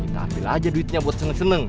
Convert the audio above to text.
kita ambil aja duitnya buat seneng seneng